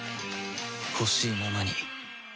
ほしいままに